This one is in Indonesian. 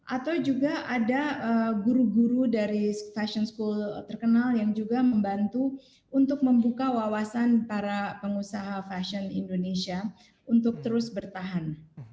atau juga ada guru guru dari fashion school terkenal yang juga membantu untuk membuka wawasan para pengusaha fashion indonesia untuk terus bertahan